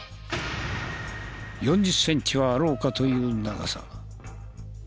４０センチはあろうかという長さ。